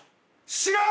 知らん！